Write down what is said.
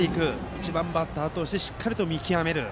１番バッターとしてしっかりと見極める。